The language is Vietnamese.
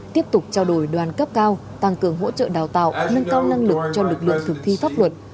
tiếp tục trao đổi đoàn cấp cao tăng cường hỗ trợ đào tạo nâng cao năng lực cho lực lượng thực thi pháp luật